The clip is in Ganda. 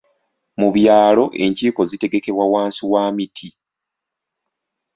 Mu byalo enkiiko zitegekebwa wansi wa miti.